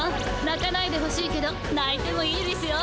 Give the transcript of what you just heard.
なかないでほしいけどないてもいいですよ。